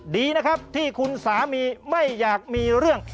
ดีนะครับที่คุณสามีไม่อยากมีเรื่อง